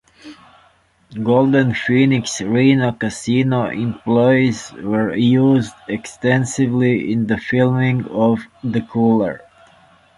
Golden Phoenix Reno casino employees were used extensively in the filming of "The Cooler".